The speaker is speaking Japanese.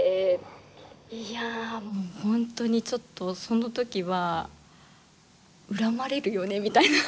いやあもう本当にちょっとその時は恨まれるよねみたいな。